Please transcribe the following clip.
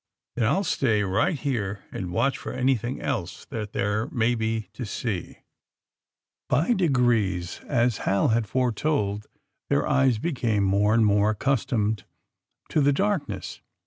And I'll stay right here and watch for anything else that there may be to see/' By degrees, as Hal had foretold, their eyes became more and m.ore accustomed to the dark ness.